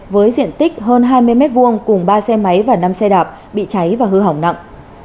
với diện tích hơn hai mươi m hai cùng ba xe máy và năm xe đạp bị cháy và hư hỏng nặng